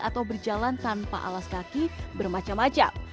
atau berjalan tanpa alas kaki bermacam macam